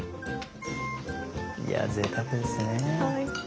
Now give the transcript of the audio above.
いやぜいたくですね。